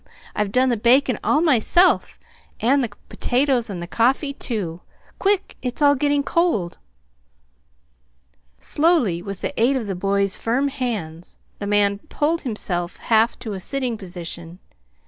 I've done the bacon all myself, and the potatoes and the coffee, too. Quick, it's all getting cold!" Slowly, with the aid of the boy's firm hands, the man pulled himself half to a sitting posture.